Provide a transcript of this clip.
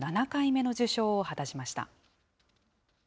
７回目の受賞を果たしました。